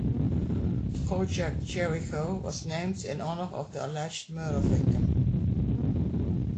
Project Jericho was named in honour of the alleged murder victim.